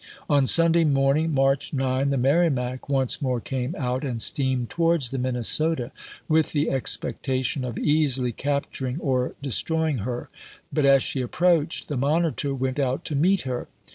On Sunday morning, March 9, the Merrimac once more came out and steamed towards the Minnesota, with the expectation of easily capturing or destroy van Brunt, i^g ^^^'i ^ut as shc approaclicd the Monitor went M?iriTio. out to meet her.